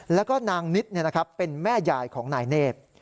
แล้วก็นางนิดเป็นแม่ยายของนายเนธ